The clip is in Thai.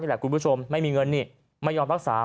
แหละคุณผู้ชมไม่มีเงินนี่ไม่ยอมรักษา